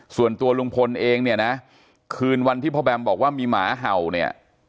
ส่วนตัวลุงพลเองเนี่ยนะคืนวันที่พ่อแบมบอกว่ามีหมาเห่าเนี่ย